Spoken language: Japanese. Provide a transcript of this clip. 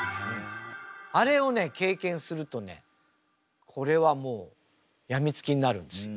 あれをね経験するとねこれはもうやみつきになるんですよ。